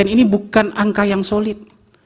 tiga delapan ini bukan angka yang solid